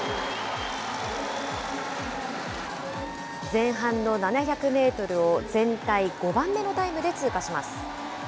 前半の７００メートルを全体５番目のタイムで通過します。